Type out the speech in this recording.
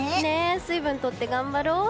水分をとって頑張ろう。